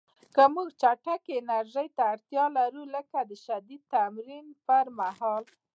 که موږ چټکې انرژۍ ته اړتیا لرو، لکه د شدید تمرین پر مهال